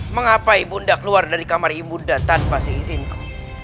mengapa ibu unda keluar dari kamar ibu unda tanpa seizinku